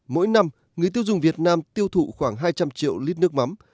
mỗi năm người tiêu dùng việt nam tiêu thụ khoảng hai trăm linh triệu lít nước mắm